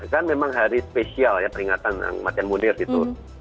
kan memang hari spesial ya peringatan kematian munir gitu